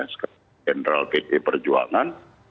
segen general pt perjuangan